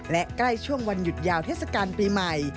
และใกล้ช่วงวันหยุดยาวเทศกาลปีใหม่